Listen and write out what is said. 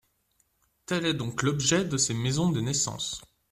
Tel est donc l’objet de ces maisons de naissance.